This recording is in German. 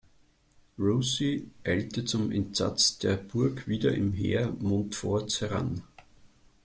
Roucy eilte zum Entsatz der Burg wieder im Heer Montforts heran.